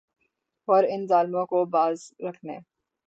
اور ان ظالموں کو باز رکھنے